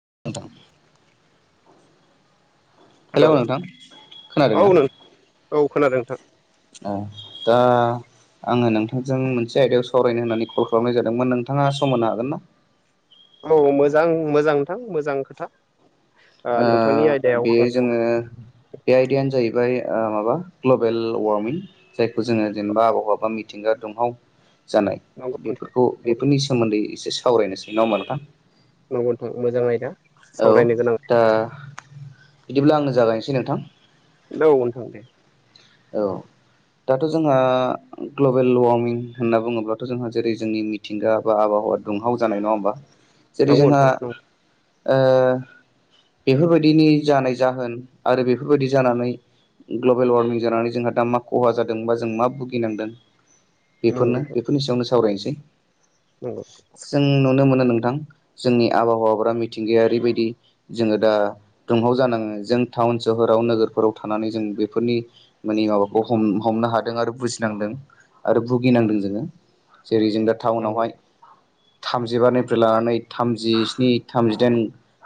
[unintelligible] हेल' hello नोंथां खोनादों औ नों औ खोनादों नोंथां। ओ दा आङो नोंथांजों मोनसे आयदायाव सावरायनो होननानै कल खालामनाय जादोंमोन नोंथाङा सम होनो हागोन ना? औ मोजां मोजां नथां मोजां खोथा। ओ नोंथांनि आयदायाव बे आं जोङो बे आयदायानो जाहैबाय माबा ग्लबेल वारमिं। जायखौ जोङो जेनेबा आबहावा बा मिथिंगा दुंहाव जानाय नंगौ नोंथां बेफोरखौ बेफोरनि सोमोन्दै एसे सावरायनोसै नङा होनबा नोंथां। नंगौ नोंथां मोजां आयदा। औ सावरायनो गोनां औ दा बिदिब्ला आङो जागायनोसै नोंथां? हेलौ नोंथां दे। औ दाथ' जोंहा ग्लबेल वारमिं होनना बुङोब्लाथ' जोंहा जेरै जोंनि मिथिंगा बा आबहावा दुंहाव जानाय नङा होमबा? जेरै नंगौ जोंहा नोंथां बेफोरबायदिनि जानाय जाहोन आरो बेफोरबायदि जानानै ग्लबेल वारमिं जोंहा मा खहा जादों बा जों मा भुगिनांदों नंगौ बेफोरनो। बेनि सायावनो सावरायनोसै। औ जों नुनो मोनो नोंथां जोंनि आबहावाफोरा मिथिंगाया ओरैबायदि जोङो दा दंहाव जानाङो जों टाउन सोहराव नोगोरफोराव थानानै जों बेफोरनि माने माबाखौ हमनो हादों आरो बुजिनांदों आरो भुगिनांदों जोङो जेरै जों दा नंगौ टाउनावहाय थामजिबारनिफ्रायल लानानै थामजिस्नि थामजिदाइन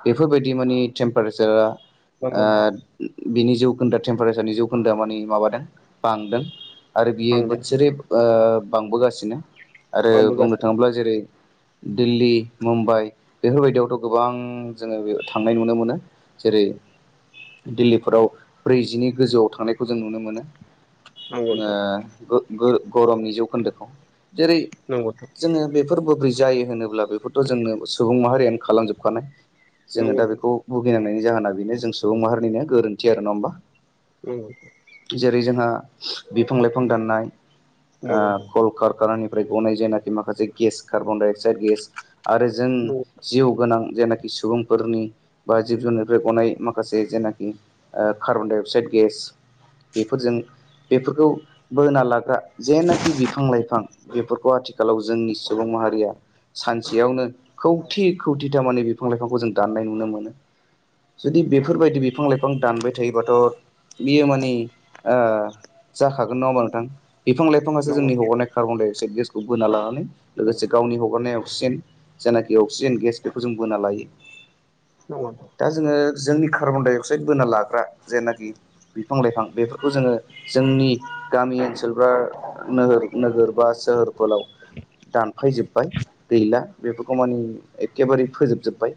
बेफोरबायदि माने टेम्पारेसारा नंगौ नोंथां बिनि जौखोन्दो टेम्पारेसारनि जौखोन्दो माने माबादों बांदों। आरो बियो बांदों बोसोरै बांबोगासिनो आरो बुंनो बांबोगासिनो थाङोब्ला जेरै दिल्ली मुम्बाइ बेफोरबायदियावथ' गोबां जोङो बे थांनाय नुनो मोनो। जेरै दिल्लीफोराव ब्रैजिनि गोजौआव थांनायनायखौ जों नुनो मोनो नंगौ नोंथां ओ गो-ग-गरमनि जौखोन्दोखौ जेरै नंगौथ' जोङो बेफोर बोबै जायो होनोब्ला बेफोरथ' जोंनो सुबुं माहारियानो खालामजोबखानाय। जोङो नंगौ दा नोंथां बेखौ भुगिनांनायनि जाहोना बेनो जों सुबुं माहारिनिनो गोरोन्थि नङा होमबा? औ जेरै जोंहा बिफां लाइफां दाननाय नोंथां कल कारखानानि फ्राय गनाय जायनाखि माखासे gas carbon dioxide gas आरो जों नंगौ जिउ गोनां जेनाखि सुबुंफोरनि बा जिब जुनारफ्राय गनाय माखासे जेनाखि कार्बनदाइ अक्साइड गेस बेफोरजों बेफोरखौ बोना लाग्रा जेनाखि बिफां लाइफां बेफोरखौ आथिखालाव जोंनि सुबुं माहारिया सानसेयावनो नंगौ खौथि खौथि था माने बिफां लाइफांखौ जों दनाय नुनो मोनो जुदि बेफोरबायदि बिफां लाइफां दानबाय थायोबाथ' बियो माने ओ जाखागोन नङा होमा नोंथां बिफां नोंथां लाइफाङासो नंगौ नंगौ जोंनि हगरनाय कार्बन डाइ अक्साइड गेसखौ बोना लानानै लोगोसे गावनि हगारनाय अक्सिजेन जायनाखि अक्सिजेन गेस बेखौ जों बोना लायो। नंगौ दा जोङो जोंनि कार्बन डाइ अक्साइद बोना लाग्रा जेनाखि बिफां लाइफां बेफोरखौ जोङो जोंनि गामि ओनसोल बा नोगोर नोगोर बा सोहोरफोराव दानफायजोब्बाय गैला बेफोरखौ मानि एखेबारे फोजोबजोब्बाय।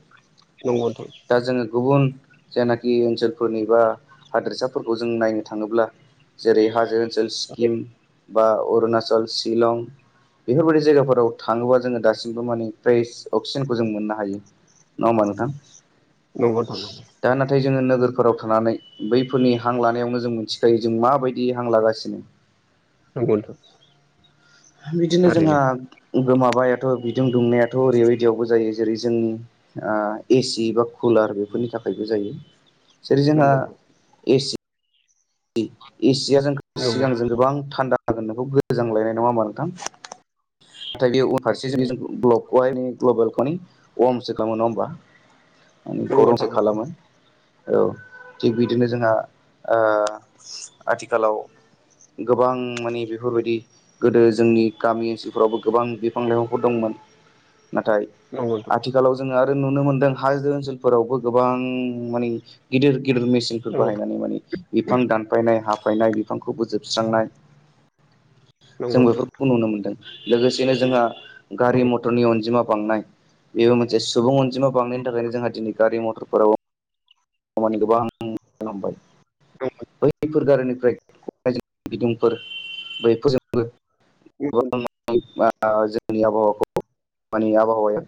नंग' नोंथां दा जोङो गुबुन जायनाखि ओनसोलफोरनि बा हादोरसा फोरखौ जों नायनो थाङोब्ला जेरै हाजो ओनसोल स्किम बा अरुणाचल शिलं बेफोरबायदि जायगाफोराव थाङोबा जोङो दासिमबो माने फ्रेस अक्सिजेनखौ जों मोननो हायो। नङा होनबा नोंथां? नंगौ नोंथां औ दा नाथाय जोङो नोगोरफोराव थानानै बै फोरनि हां लानायावनो जों मोनथिखायो जों माबायदि हां लागासिनो नोंगौ नोंथां बिदिनो जोंहा थारैनो गो माबायाथ' बिदुं दुंनायाथ' ओरैबायदियावबो जायो जेरै जोंनि ए सि बा कुलार बेफोरनि थाखायबो जायो जेरै जोंहा नंगौ नोंथां ए सि ए सिया जोंखो नंगौ सिगां जों गोाबां थान्दा जागोन नोंखौ गोजांलायनाय नङा होमा नोंथां नाथाय बे उनफारसे जुनि जों ब्लक खहाय ग्लबेलखौनि वार्मसो खालामो नङा होमबा मानि नंगौ नोंथां गरमसो नंगौ खालामो औ थिग बिदिनो जोंहा आथिखालाव गोबां माने बेफोरबायदि गोदो जोंनि गामि ओनसोलफोरावबो गोबां बिफां लाइफांफोर दंमोन नाथाय औ नोंथां आथिखालाव जोङो आरो नुनो मोनदों हाजो ओनसोलफोरावबो गोबां माने गिदिर गिदिर मेसिन फोर औ बाहायनानै माने बिफां दानफायनाय हाफायनाय बिफांखौ बोसोबस्रांनाय जों नंगौ नोंथां बेफोरखौ नुनो मोनदों लोगोसेनो जोंहा गारि नंगौ मथरनि अनजिमा बां बे मोनसे सुबुं अनजिमा बांनायनि थाखायनो जोंहा दिनै गारि मथरफोराबो माने गोबां बखंबाय बैफोर गारिनिफ्राय गनाय जों बिदुंफोर बैफोरजोंबो नंगौ गोबां [unintelligible] जोंनि आबहावाखौ माने आबहावाया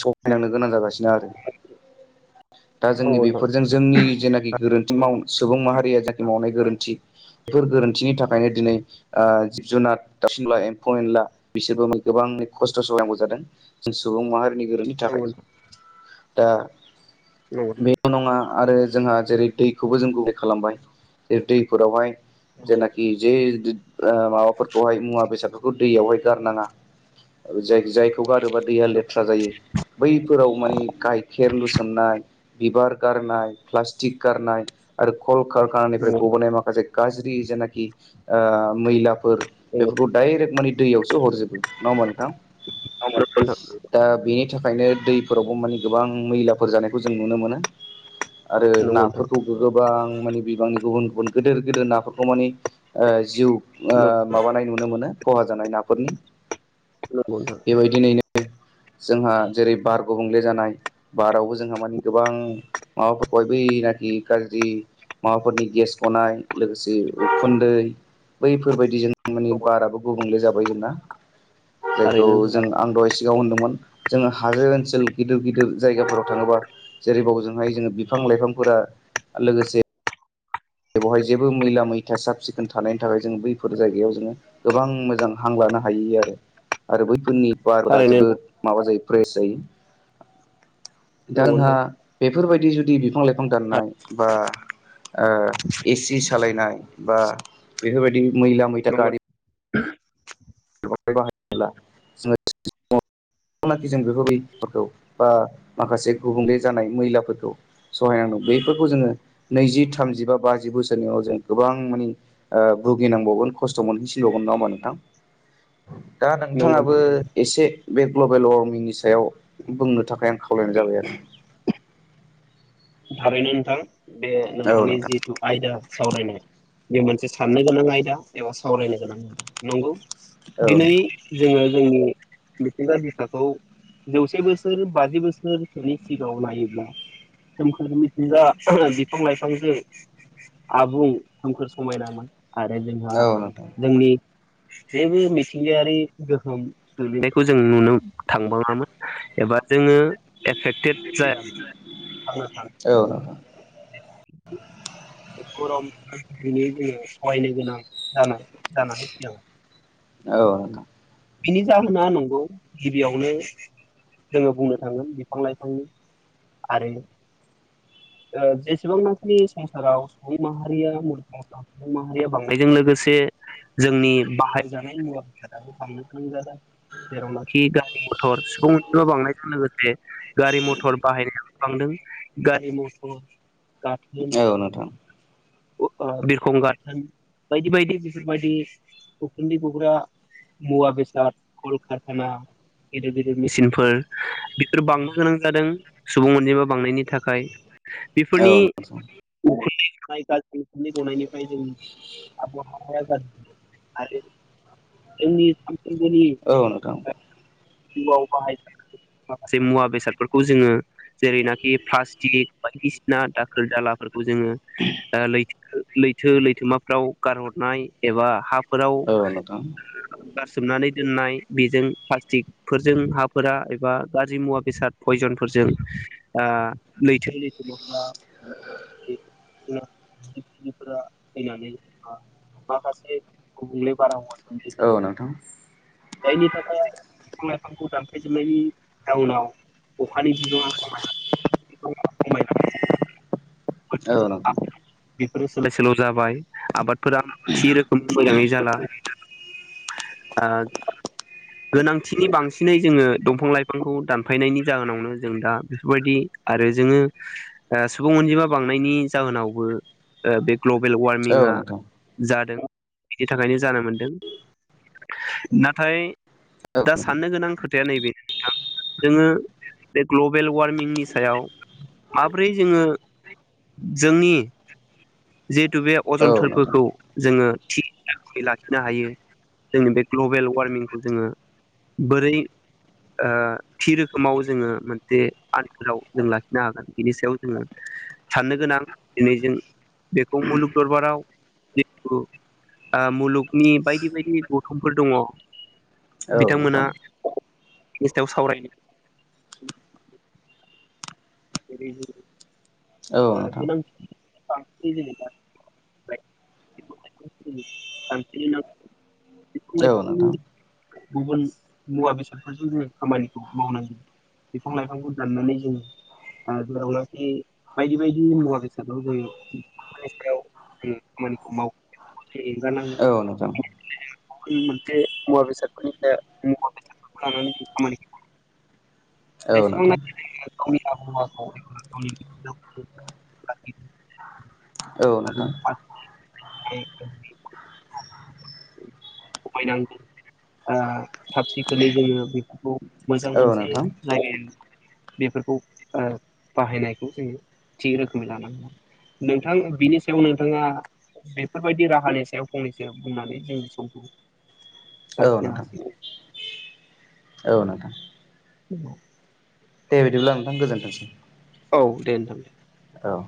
सहायनांनो गोनां जागासिनो आरो दा जोंनि नंगौ नोंथां बेफोरजों जोंनि जेनाखि गोरोन्थि माव सुबुं माहारिया जेखि मावनाय गोरोन्थि। बेफोर गोरोन्थिनि थाखायनो दिनै ओ जिब जुनार दावसिमला एम्फौ एनला बिसोरबो गोबाङै खस्थ' सहायनांगौ जादों। जों सुबुं माहारिनि गोरोनथि थाखायनो दा नंगौ बे नङा आरो जोंहा जेरै दैखौबो जों [unintelligible] खालामबाय जै दैफोरावहाय जेनाखि जे आ माबाफोरखौहाय मुवा बेसादफोरखौ दैयावहाय गारनाङा। जाय जायखौ गारोबा दैया [unintelligible] जायो बैफोराव माने गाइखेर लुसननाय। बिबार गारनाय प्लास्टिक गारनाय आरो कल कारखानिफ्राय नंगौ नंगौ नोंथां गबोनाय माखासे गाज्रि जेनाखि मैलाफोर बेफोरखौ डाइरेक्ट मानि दैयावसो हरजोबो नङा होमबा नोंथां। [unintelligible] दा बेनि थाखायनो दैफोरावबो मानि गोबां मैलाफोर जानायखौ जों नुनो मोनो। आरो नंगौ नोंथां नाफोरखौ गोबां माने बिबांनि गुबुन-गुबुन गिदिर-गिदिर नाफोरखौ माने जिउ ओ नंगौ माबानाय नुनो मोनो खहा जानाय नाफोरनि। [unintelligible] दर दिनैनो जोंहा जेरै बार गुबुंले जानाय। बारावबो जोंहा मानि गोबां माबाफोरखौहाय बैनाखि गाज्रि माबाफोरनि गेस गनाय लोगोसे उखुन्दै बैफोरबायदि जों माने नंगौ बाराबो गुबुंले जाबाय जोंना जायखौ थारैनो जों नोंथां आं दहायसो सिगाङाव होनदोंमोन जोंङो हाजो ओनसोल गिदिर-गिदिर जायगाफोराव थाङोबा जेरैबावजोंहाय जोंङो बिफां लाइफांफोरा लोगोसे बेवहाय जेबो मैला मैथा साब सिखोन थानायनि थाखाय जोंङो बैफोर जायगायाव जोङो गोबां मोजां हां लानो हायियो आरो आरो बैफोरनि बार दा थारैनो नोंथां जोबोद माबा जायो फ्रेस जायो। दा नंगौ नोंहा नोंथां बेफोर बायदि जुदि बिफां लाइफां दाननाय बा ओ एसिस सालायनाय बा बेफोरबायदि मैला मैथा नंगौ गारि [unintelligible] जेनाखि जों बेफोरबायफोरखौ बा माखासे गुबुंले जानाय मैलाफोरखौ सहायनांगौ बैफोरखौ जोंङो नैजि थामजि बा बाजि बोसोरनि उनाव जों गोबां मानि आं भुगिनबावगोन खस्थ' मोनहैसिनबावगोन नंङा होनबा नोंथां? दा नंगौ नोंथांङाबो नोंथां एसे बे ग्लबेल'मिनि सायाव बुंनो थाखाय आं खा खावलायनाय जाबाय आरो। थारैनो नोंथां बे औ नोंथांनि नोंथां जिहेथु आयदा सावरायनाय बे मोनसे साननो गोनां आयदा एबा सावरायनो गोनां आयदा नंगौ। औ दिनै जोङो जोंनि मिथिंगा बिखाखौ जौसे बोसोर बाजि बोसोरसोनि सिगाङाव नायोब्ला सोमखोर मिथिंगा बिफां लाइफांजों आबुं सोमखोर समायनामोन आरो जोंहा नोंथां औ नोंथां जोंनि बेबो मिथिंगायारि गोहोम गोलैनायखौ जों नुनो थांबाङामोन एबा जोङो एफेक्टेड जाया। थांना थानो औ। [inaudible] गरम धिनै जोङो सहायनो गोनां जानां जानानैफैदों। औ नोंथां। बिनि जाहोना नंगौ गिबियावनो जोंङो बुंनो थांगोन बिफां लाइफांनि आरो जेसेबां नानि संसाराव सुबुं माहारिया मुलुगा माहारिया बांनायजों लोगोसे जोंनि बाहायजानाय मुवा बेसादाबो बांनो [inaudible] जेरावनाखि गारि मथर सुबुं मोनबो बांनायजों लोगोसे गारि मथर बाहायनायनायाबो बांदों गारि मथर गाथोन औ नोंथां बिरखं गाथोन बायदि बायदि बेफोरबायदि उखुन्दै गग्रा मुवा बेसाद कलकारखाना गिदिर गिदिर मेचिनफोर बेफोर बांनो गोनां जादों सुबुं अनजिमा बांनायनि थाखाय बेफोरनि औ नोंथां उखुन्दै गनाय गाज्रि बे उखुन्दै गनायनिफ्राय जोंनि आबहावाया गाज्रि आरो जोंनि सानफ्रोमबोनि औ नोंथां जिउआव बाहाय [inaudible] माखासे मुवा बेसादफोरखौ जोंङो जेरैनाखि प्लास्टिक बायदिसिना दाखोर दाला फोरखौ जोंङो लैथो लैथोमाफ्राव गारहरनाय एबा हा औ नोंथां गारसोमनानै दोननाय बेजों प्लास्टिक फोरजों हाफोरा एबा गाज्रि मुवा बेसाद पयजनफोरजों लैथोनि [unintelligible] हाद्रिफोरा फैनानै बा माखासे गुबुंले बारहावाजों औ नोंथां जायनि थाखाय बिफां लाइफांखौ दानफाय जोबनायनि जाउनाव अखानि बिबाङा खमाय [inaudible] औ खमाय लांनायखौ [inaudible] औ नोंथां बेफोरो सोलाय सोल' जाबाय आबादफोरा थि रोखोमनि मोजाङै जाला ओ गोनांथिनि बांसिनै जोङो दंफां लाइफांखौ दानफायनायनि जाहोनावनो जों दा बेफोरबायदि आरो जोङो सुबुं अनजिमा बांनायनि जाहोनावबो बे ग्लबेल औ वार्मिंआ नोंथां जादों बेनि थाखायनो जानो मोनदों नाथाय औ दा साननो गोनां खोथाया नैबेनो नोंथां जोङो बे ग्लबेल वार्मिंनि सायाव माब्रै जोङो जोंनि जिहेतु बे औ नोंथां औ नोंथां अजनथोरफोरखौ जोङो थि रोखोमै लाखिनो हायो जोंनि बे ग्लबेल वार्मिंखौ जोङो बोरै ओ थि रोखोमाव जोङो मोनसे आन्खोलाव जों लाखिनो हागोन बिनि सायाव जोङो साननो गोनां दिनै जों बेखौ मुलुग दरबाराव जिथु मुलुगनि बायदि बायदि गौथुमफोर दङ औ नोंथां औ बिथांमोना निस्थायाव सावरायनो नोंथां गोनांथिनि बांसिनै जेनेबा [unintelligible] बिफां औ नोंथां औ लाइफां नोंथां गुबुन मुवा बेसादफोरजों जोङो खामानिखौ मावनांदों बिफां लाइफांखौ दाननानै जोङो जेरावनाखि बायदि बायदि मुवा बेसादाव जायो मोननि सायाव उम खामानिखौ माव औ नोंथां [unintelligible] मोनसे मुवा बेसादफोरनि मुवा बेसादफोरखौ लानानै जों खामानिखौ [inaudible] औ जेसेबांनाखि बे गावनि आबहावाखौ [unintelligible] [unintelligible] खमायनांगौ साब सिखोननै जोङो बेफोरखौ मोजां मोनसे [inaudible] नोंथां बिनि सायाव नोंथाङा बेफोरबायदि राहानि सायाव फंनैसो बुंनानै जोंनि समखौ लाखिनो नोंथां हासिगोन औ नोंथां [inaudible] दे बिदिब्ला नोंथां गोजोन्थोंसै औ दे नोंथां औ